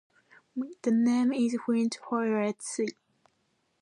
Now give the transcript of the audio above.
The name is French for "Red Sea".